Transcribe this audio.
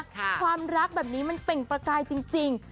ความรักแบบนี้มันเปล่งประกายจริง